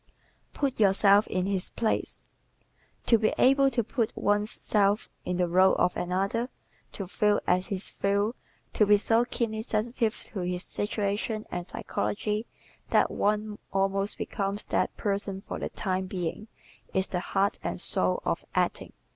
"Put Yourself in His Place" ¶ To be able to put one's self in the role of another, to feel as he feels; to be so keenly sensitive to his situation and psychology that one almost becomes that person for the time being, is the heart and soul of acting.